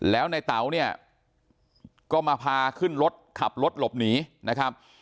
แล้วในเต๋าเนี่ยก็มาพาขึ้นรถขับรถหลบหนีนะครับ